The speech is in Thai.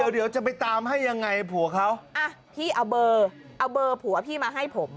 เดี๋ยวจะไปตามให้ยังไงผัวเขาอ่ะพี่เอาเบอร์เอาเบอร์ผัวพี่มาให้ผม